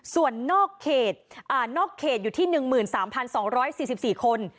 ส่วนนอกเขตอยู่ที่๑๓๒๔๔คน